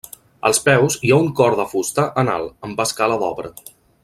Als peus hi ha un cor de fusta en alt, amb escala d'obra.